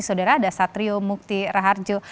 saudara ada satrio muktiraharjo